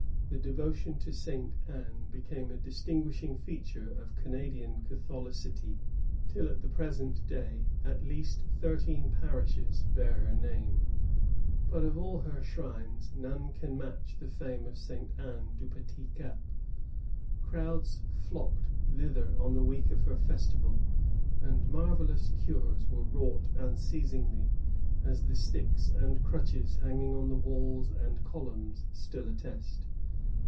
The devotion to Saint Anne became a distinguishing feature of Canadian Catholicity, tiU at the present day at least thirteen parishes bear her name. But of all her shrines, none 166 PRIESTS AND PEOPLE. [1663 1763. can match the fame of St. Anne du Petit Cap. Crowds flocked thither on the week of her festival, and marvellous cures were wrought unceasingly, as the sticks and crutches hanging on the walls and columns still attest.